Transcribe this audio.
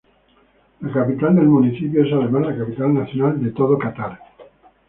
La capital del municipio es además la capital nacional de todo Catar.